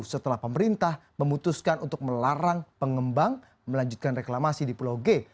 setelah pemerintah memutuskan untuk melarang pengembang melanjutkan reklamasi di pulau g